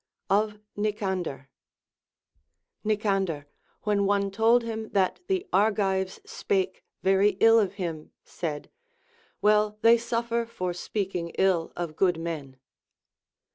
Of Nicander. Nicander, when one told him that the Argives spake very ill of him, said, Well, they suffer for speaking ill of good men.